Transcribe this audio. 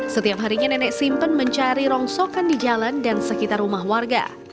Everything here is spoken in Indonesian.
setiap harinya nenek simpen mencari rongsokan di jalan dan sekitar rumah warga